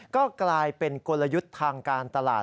ก็กลายเป็นกลยุทธ์ทางการตลาด